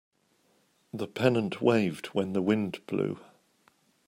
The pennant waved when the wind blew.